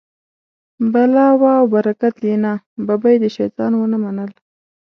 بلا وه او برکت یې نه، ببۍ د شیطان و نه منل.